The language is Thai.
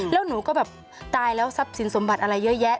แล้วหนูก็แบบตายแล้วทรัพย์สินสมบัติอะไรเยอะแยะ